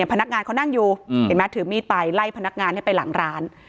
พนักงานเขานั่งอยู่เห็นไหมถือมีดไปไล่พนักงานให้ไปหลังร้าน